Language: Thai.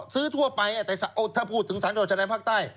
ก็ซื้อทั่วไปถ้าพูดถึงภาคใต้